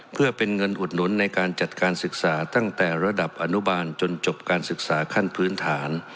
เพื่อเป็นเงินอุดหนุนในการจัดการศึกษาตั้งแต่ระดับอนุบาลจนจบการศึกษาขั้นพื้นฐาน